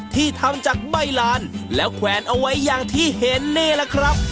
ที่ทำจากใบลานแล้วแขวนเอาไว้อย่างที่เห็นนี่แหละครับ